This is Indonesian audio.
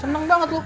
seneng banget lu